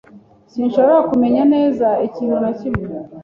Sinshobora kumenya neza ikintu na kimwe.